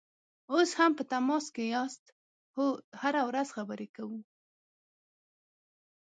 اوس هم په تماس کې یاست؟ هو، هره ورځ خبرې کوو